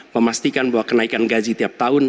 memastikan bahwa kenaikan gaji tiap tahun